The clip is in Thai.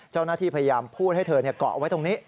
เจ้าหน้าที่พยายามพูดให้เธอเกาะเอาไว้ตรงนี้